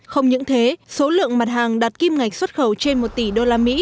không những thế số lượng mặt hàng đạt kim ngạch xuất khẩu trên một tỷ đô la mỹ